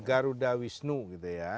garuda wisnu gitu ya